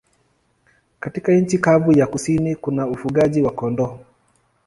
Katika nchi kavu ya kusini kuna ufugaji wa kondoo.